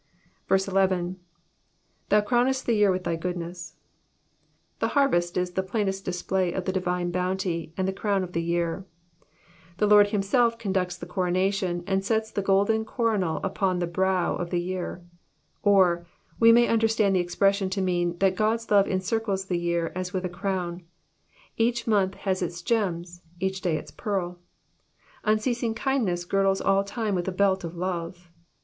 11. ^^Thou crownest the year with thy goodness,''^ The harvest is the plainest display of the divine bounty, and the crown of the year. The Lord oimself conducts the coronation, and sets the golden coronal upon the brow of the year. Digitized by VjOOQIC 166 SXPOSITIOKS OF THI KALUS. Or, we may understand the expression to mean that God^s love encircles the Tear as with a crown ; each month has its gems, each day its peari. Unceasing kindness girdles all time with a belt of love.